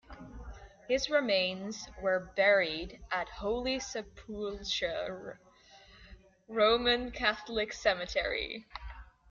His remains were buried at Holy Sepulchre Roman Catholic Cemetery.